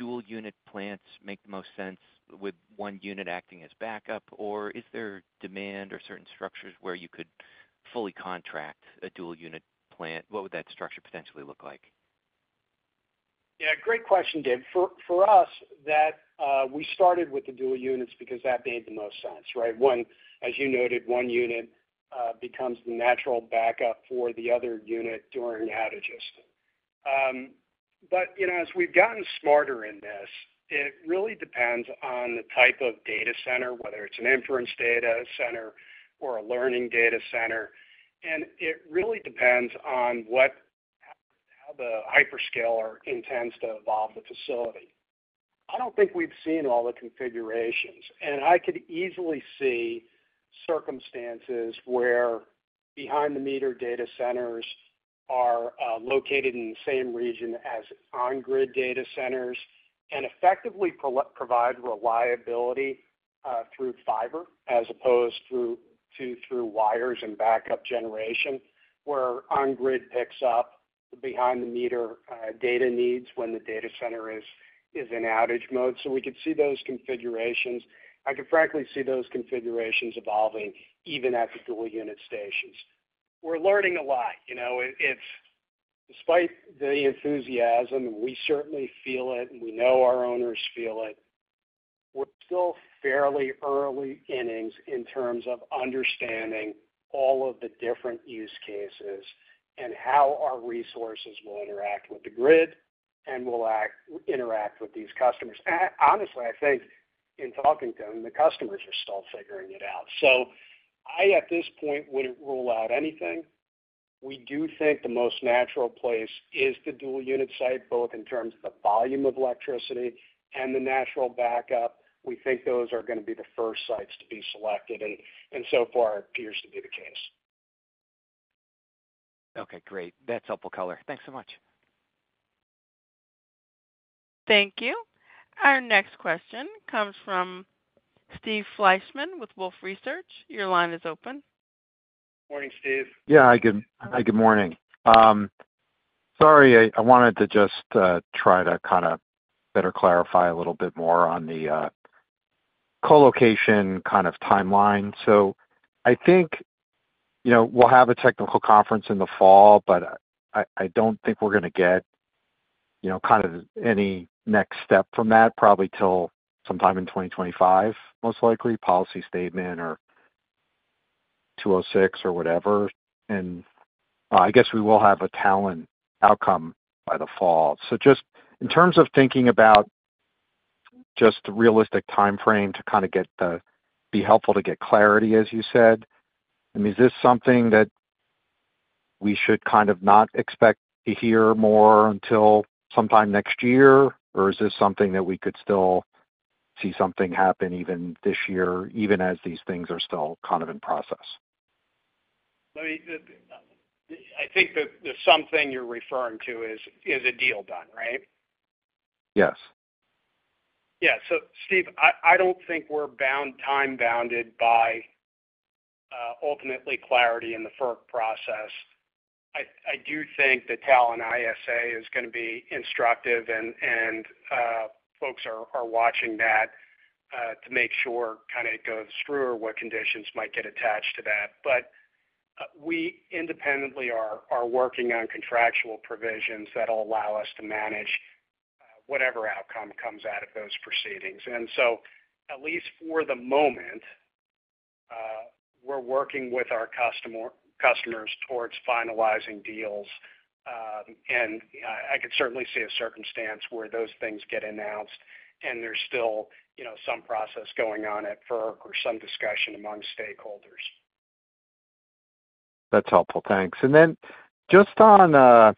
we be assuming that dual unit plants make the most sense with one unit acting as backup, or is there demand or certain structures where you could fully contract a dual unit plant? What would that structure potentially look like? Yeah, great question, Dave. For us, that we started with the dual units because that made the most sense, right? One, as you noted, one unit becomes the natural backup for the other unit during outages. But, you know, as we've gotten smarter in this, it really depends on the type of data center, whether it's an inference data center or a learning data center, and it really depends on how the hyperscaler intends to evolve the facility. I don't think we've seen all the configurations, and I could easily see circumstances where behind the meter data centers are located in the same region as on-grid data centers and effectively provide reliability through fiber as opposed to through wires and backup generation, where on-grid picks up behind the meter data needs when the data center is in outage mode. So we could see those configurations. I could frankly see those configurations evolving even at the dual unit stations. We're learning a lot. You know, it's despite the enthusiasm, we certainly feel it, and we know our owners feel it. We're still fairly early innings in terms of understanding all of the different use cases and how our resources will interact with the grid and will interact with these customers. And honestly, I think in talking to them, the customers are still figuring it out. So I, at this point, wouldn't rule out anything. We do think the most natural place is the dual unit site, both in terms of the volume of electricity and the natural backup. We think those are going to be the first sites to be selected, and so far, it appears to be the case. Okay, great. That's helpful color. Thanks so much. Thank you. Our next question comes from Steve Fleischman with Wolfe Research. Your line is open. Morning, Steve. Yeah, hi, good morning. Sorry, I wanted to just try to kind of better clarify a little bit more on the co-location kind of timeline. So I think, you know, we'll have a technical conference in the fall, but I don't think we're going to get, you know, kind of any next step from that, probably till sometime in 2025, most likely, policy statement or 206 or whatever. And I guess we will have a Talen outcome by the fall. So just in terms of thinking about just the realistic timeframe to kind of get the... be helpful to get clarity, as you said, I mean, is this something that we should kind of not expect to hear more until sometime next year, or is this something that we could still kind of-... see something happen even this year, even as these things are still kind of in process? Let me, I think the something you're referring to is a deal done, right? Yes. Yeah. So Steve, I don't think we're bound, time-bounded by ultimately clarity in the FERC process. I do think the Talen ISA is gonna be instructive, and folks are watching that to make sure kind of it goes through or what conditions might get attached to that. But we independently are working on contractual provisions that'll allow us to manage whatever outcome comes out of those proceedings. And so, at least for the moment, we're working with our customers towards finalizing deals. I could certainly see a circumstance where those things get announced, and there's still, you know, some process going on at FERC or some discussion among stakeholders. That's helpful. Thanks. And then just on,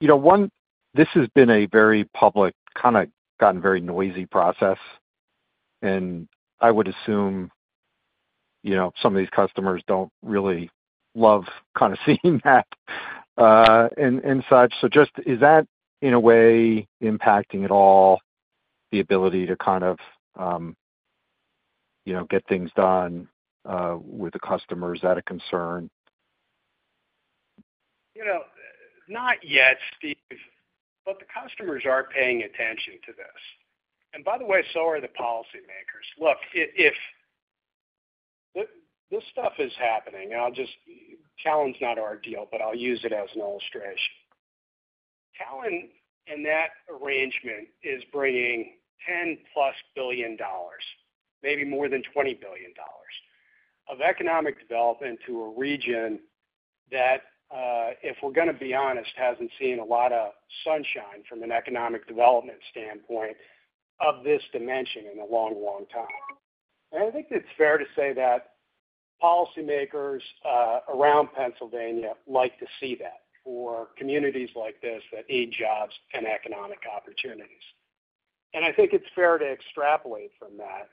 you know, one, this has been a very public, kind of gotten very noisy process, and I would assume, you know, some of these customers don't really love kind of seeing that, and, and such. So just, is that, in a way, impacting at all the ability to kind of, you know, get things done, with the customers? Is that a concern? You know, not yet, Steve, but the customers are paying attention to this. And by the way, so are the policymakers. Look, if this stuff is happening, and I'll just, Talen's not our deal, but I'll use it as an illustration. Talen, in that arrangement, is bringing $10+ billion, maybe more than $20 billion of economic development to a region that, if we're gonna be honest, hasn't seen a lot of sunshine from an economic development standpoint of this dimension in a long, long time. And I think it's fair to say that policymakers around Pennsylvania like to see that for communities like this that need jobs and economic opportunities. And I think it's fair to extrapolate from that,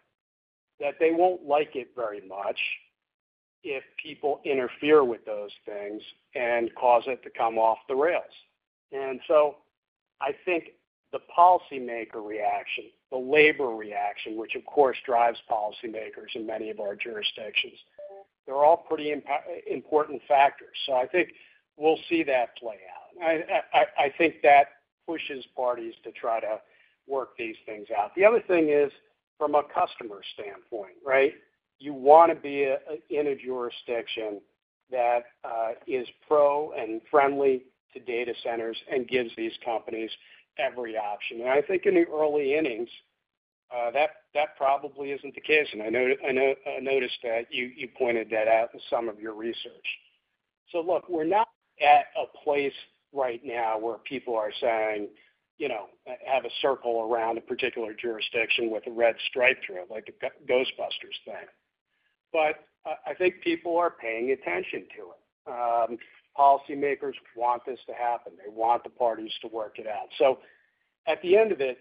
that they won't like it very much if people interfere with those things and cause it to come off the rails. And so I think the policymaker reaction, the labor reaction, which, of course, drives policymakers in many of our jurisdictions, they're all pretty important factors. So I think we'll see that play out. I think that pushes parties to try to work these things out. The other thing is from a customer standpoint, right? You want to be in a jurisdiction that is pro and friendly to data centers and gives these companies every option. And I think in the early innings, that probably isn't the case. And I noticed that you pointed that out in some of your research. So look, we're not at a place right now where people are saying, you know, have a circle around a particular jurisdiction with a red stripe through it, like a Ghostbusters thing. But, I think people are paying attention to it. Policymakers want this to happen. They want the parties to work it out. So at the end of it,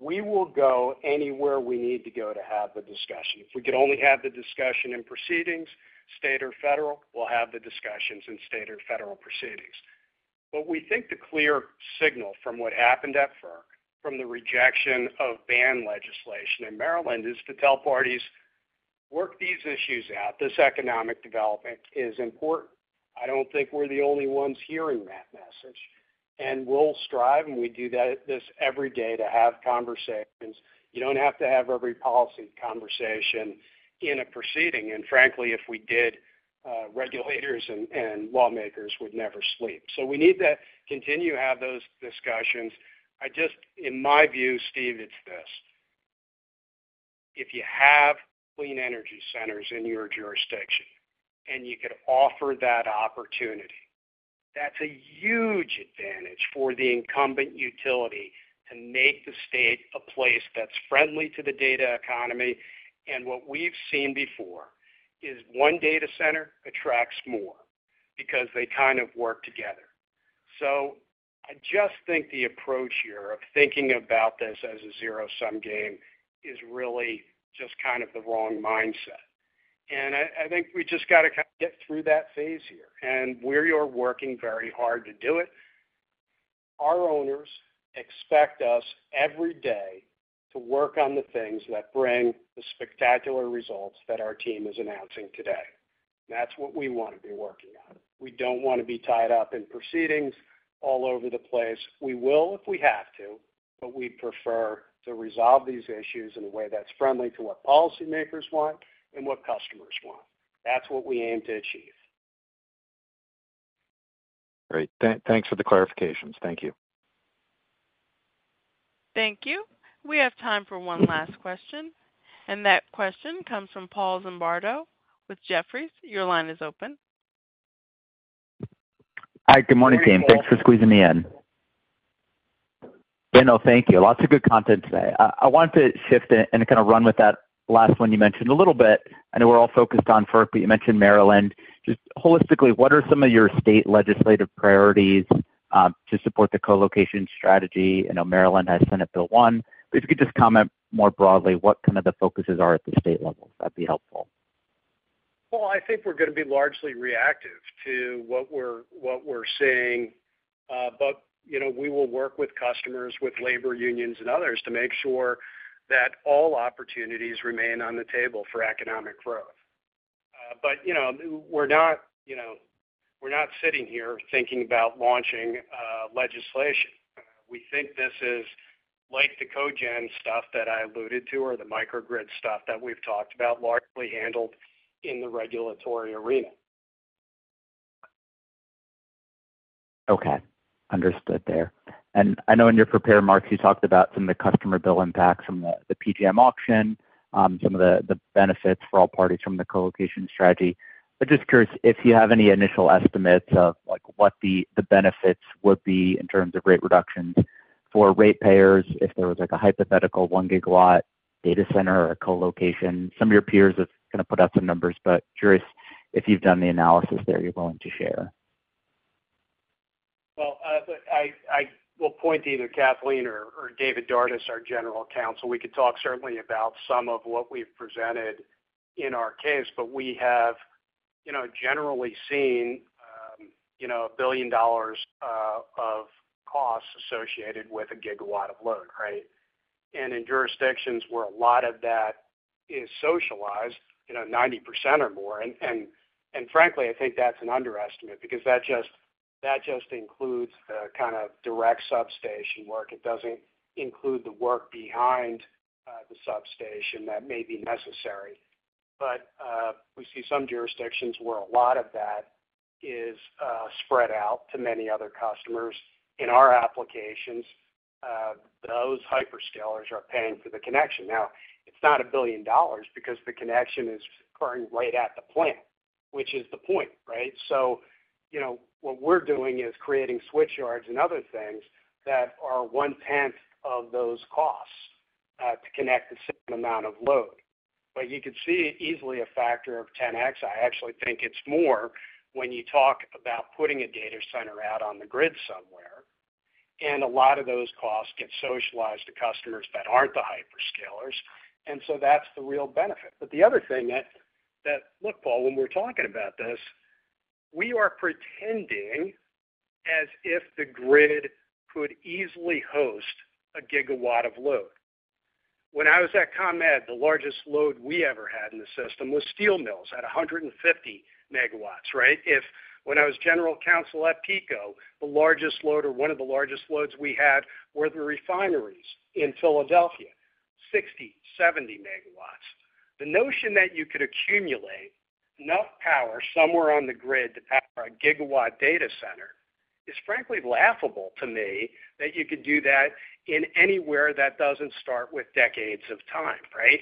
we will go anywhere we need to go to have the discussion. If we could only have the discussion in proceedings, state or federal, we'll have the discussions in state or federal proceedings. But we think the clear signal from what happened at FERC, from the rejection of ban legislation in Maryland, is to tell parties, work these issues out, this economic development is important. I don't think we're the only ones hearing that message, and we'll strive, and we do that, this every day to have conversations. You don't have to have every policy conversation in a proceeding, and frankly, if we did, regulators and lawmakers would never sleep. So we need to continue to have those discussions. I just... In my view, Steve, it's this: if you have clean energy centers in your jurisdiction, and you could offer that opportunity, that's a huge advantage for the incumbent utility to make the state a place that's friendly to the data economy. And what we've seen before is one data center attracts more because they kind of work together. So I just think the approach here of thinking about this as a zero-sum game is really just kind of the wrong mindset. And I, I think we just got to kind of get through that phase here, and we are working very hard to do it. Our owners expect us every day to work on the things that bring the spectacular results that our team is announcing today. That's what we want to be working on. We don't want to be tied up in proceedings all over the place. We will if we have to, but we'd prefer to resolve these issues in a way that's friendly to what policymakers want and what customers want. That's what we aim to achieve. Great. Thanks for the clarifications. Thank you. Thank you. We have time for one last question, and that question comes from Paul Zimbardo with Jefferies. Your line is open. Hi, good morning, team. Thanks for squeezing me in. Daniel, thank you. Lots of good content today. I wanted to shift and kind of run with that last one you mentioned a little bit. I know we're all focused on FERC, but you mentioned Maryland. Just holistically, what are some of your state legislative priorities to support the co-location strategy? I know Maryland has Senate Bill 1, but if you could just comment more broadly, what kind of the focuses are at the state level, that'd be helpful.... Well, I think we're gonna be largely reactive to what we're, what we're seeing, but, you know, we will work with customers, with labor unions and others to make sure that all opportunities remain on the table for economic growth. But, you know, we're not, you know, we're not sitting here thinking about launching legislation. We think this is like the cogen stuff that I alluded to, or the microgrid stuff that we've talked about, largely handled in the regulatory arena. Okay, understood there. I know in your prepared remarks, you talked about some of the customer bill impacts from the PJM auction, some of the benefits for all parties from the colocation strategy. Just curious if you have any initial estimates of, like, what the benefits would be in terms of rate reductions for ratepayers, if there was, like, a hypothetical 1 GW data center or a colocation. Some of your peers have kind of put out some numbers, but curious if you've done the analysis there you're willing to share? Well, I will point to either Kathleen or David Dardis, our general counsel. We could talk certainly about some of what we've presented in our case, but we have, you know, generally seen, you know, $1 billion of costs associated with a gigawatt of load, right? And in jurisdictions where a lot of that is socialized, you know, 90% or more, and frankly, I think that's an underestimate because that just includes the kind of direct substation work. It doesn't include the work behind the substation that may be necessary. But we see some jurisdictions where a lot of that is spread out to many other customers. In our applications, those hyperscalers are paying for the connection. Now, it's not a billion dollars because the connection is occurring right at the plant, which is the point, right? So, you know, what we're doing is creating switchyards and other things that are one-tenth of those costs to connect the same amount of load. But you could see easily a factor of 10x. I actually think it's more when you talk about putting a data center out on the grid somewhere, and a lot of those costs get socialized to customers that aren't the hyperscalers, and so that's the real benefit. But the other thing... Look, Paul, when we're talking about this, we are pretending as if the grid could easily host 1 GW of load. When I was at ComEd, the largest load we ever had in the system was steel mills at 150 MW, right? If when I was general counsel at PECO, the largest load or one of the largest loads we had were the refineries in Philadelphia, 60 MW-70 MW. The notion that you could accumulate enough power somewhere on the grid to power a GW data center is frankly laughable to me, that you could do that in anywhere that doesn't start with decades of time, right?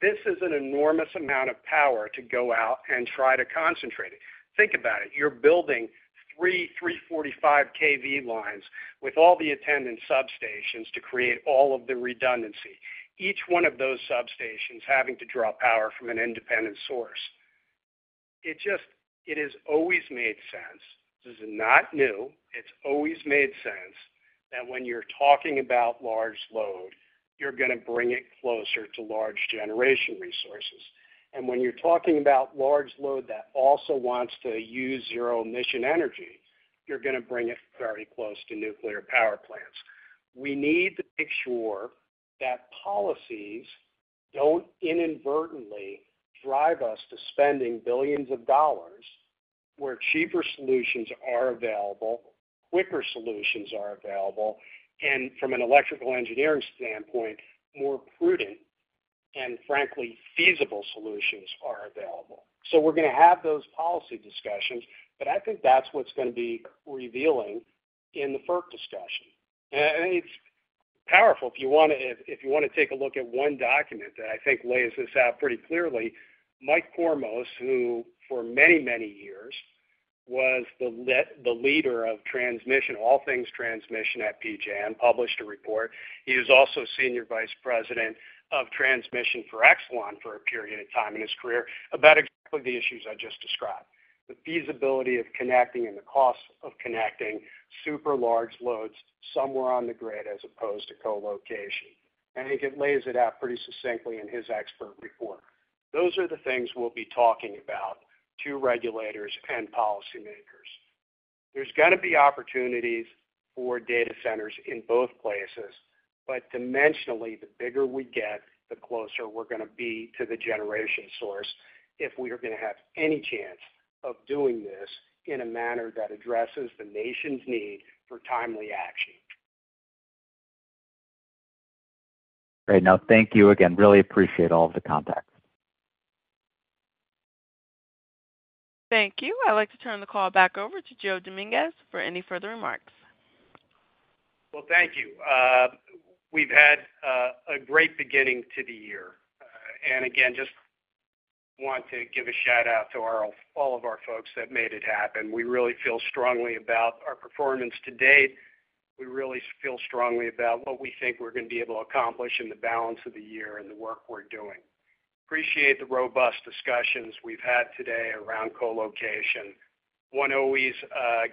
This is an enormous amount of power to go out and try to concentrate it. Think about it. You're building three 345 kV lines with all the attendant substations to create all of the redundancy, each one of those substations having to draw power from an independent source. It just—it has always made sense. This is not new. It's always made sense that when you're talking about large load, you're gonna bring it closer to large generation resources. And when you're talking about large load that also wants to use zero-emission energy, you're gonna bring it very close to nuclear power plants. We need to make sure that policies don't inadvertently drive us to spending billions of dollars where cheaper solutions are available, quicker solutions are available, and from an electrical engineering standpoint, more prudent and frankly, feasible solutions are available. So we're gonna have those policy discussions, but I think that's what's gonna be revealing in the FERC discussion. And it's powerful. If you wanna take a look at one document that I think lays this out pretty clearly, Mike Kormos, who for many, many years was the leader of transmission, all things transmission at PJM, published a report. He is also Senior Vice President of Transmission for Exelon for a period of time in his career, about exactly the issues I just described: the feasibility of connecting and the costs of connecting super large loads somewhere on the grid as opposed to colocation. I think it lays it out pretty succinctly in his expert report. Those are the things we'll be talking about to regulators and policymakers. There's gonna be opportunities for data centers in both places, but dimensionally, the bigger we get, the closer we're gonna be to the generation source if we are gonna have any chance of doing this in a manner that addresses the nation's need for timely action. Great. Now, thank you again. Really appreciate all of the context. Thank you. I'd like to turn the call back over to Joe Dominguez for any further remarks. Well, thank you. We've had a great beginning to the year. And again, just want to give a shout-out to our—all of our folks that made it happen. We really feel strongly about our performance to date. We really feel strongly about what we think we're gonna be able to accomplish in the balance of the year and the work we're doing. Appreciate the robust discussions we've had today around colocation. One always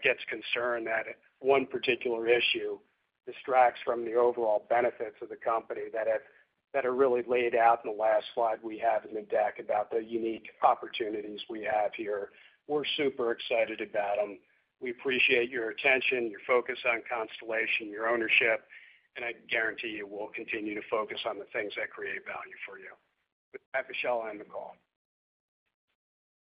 gets concerned that one particular issue distracts from the overall benefits of the company that have—that are really laid out in the last slide we have in the deck about the unique opportunities we have here. We're super excited about them. We appreciate your attention, your focus on Constellation, your ownership, and I guarantee you, we'll continue to focus on the things that create value for you. With that, Michelle, I end the call.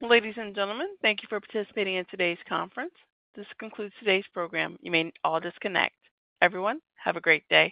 Ladies and gentlemen, thank you for participating in today's conference. This concludes today's program. You may all disconnect. Everyone, have a great day.